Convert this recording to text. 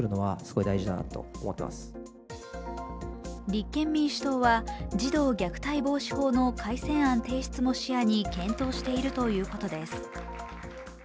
立憲民主党は児童虐待防止法の改正案提出も視野にケントしているということです。